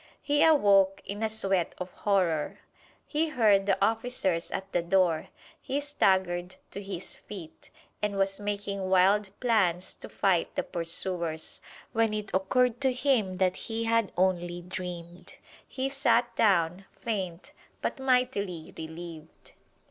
He awoke in a sweat of horror! He heard the officers at the door! He staggered to his feet, and was making wild plans to fight the pursuers, when it occurred to him that he had only dreamed. He sat down, faint, but mightily relieved.